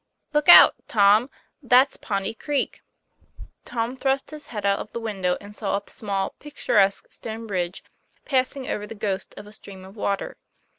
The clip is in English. "T OOK out, Tom; that's Pawnee Creek." L/ Tom thrust his head out of the window and saw a small picturesque stone bridge passing over the ghost of a stream of water.